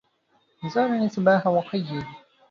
زارني صبحا وحيى